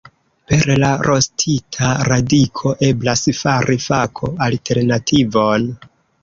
Per la rostita radiko eblas fari kafo-alternativon.